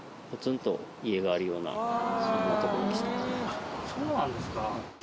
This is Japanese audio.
あっそうなんですか。